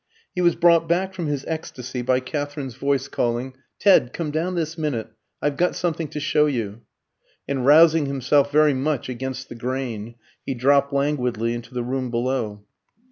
He was brought back from his ecstasy by Katherine's voice calling, "Ted, come down this minute I've got something to show you"; and, rousing himself very much against the grain, he dropped languidly into the room below.